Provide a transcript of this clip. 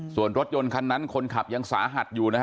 ส่วนรถยนต์คันนั้นคนขับยังสาหัด